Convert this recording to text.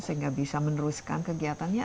sehingga bisa meneruskan kegiatannya